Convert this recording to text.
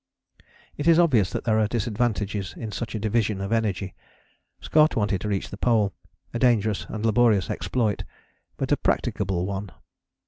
It is obvious that there are disadvantages in such a division of energy. Scott wanted to reach the Pole: a dangerous and laborious exploit, but a practicable one.